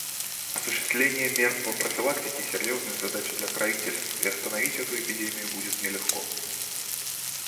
Осуществление мер по профилактике — серьезная задача для правительств, и остановить эту эпидемию будет нелегко.